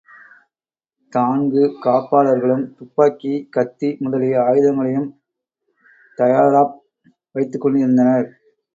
தான்கு காப்பாளர்களும் துப்பாக்கி, கத்தி முதலிய ஆயுதங்களையும் தயாராப் வைத்துக் கொண்டிருந்தனர்.